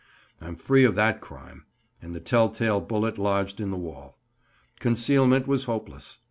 I'm free of that crime—and the tell tale bullet lodged in the wall. Concealment was hopeless.